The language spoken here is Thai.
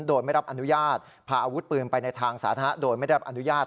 โดยไม่รับอนุญาตพาอาวุธปืนไปในทางสาธารณะโดยไม่ได้รับอนุญาต